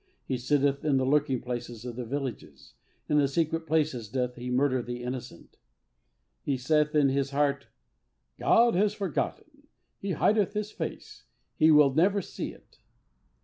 He sitteth in the lurking places of the villages: in the secret places doth he murder the innocent. He saith in his heart, "God hath forgotten: He hideth His face; He will never see it."